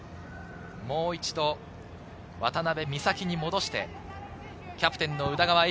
もう一度、渡部美紗哉に戻してキャプテン・宇田川瑛